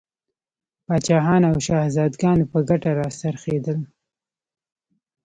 پاچاهانو او شهزادګانو په ګټه را څرخېدل.